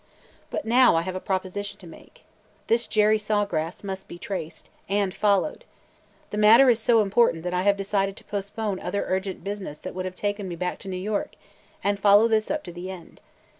But now I have a proposition to make. This Jerry Saw Grass must be traced – and followed. The matter is so important that I have decided to postpone other urgent business that would have taken me back to New York, and follow this up to the end.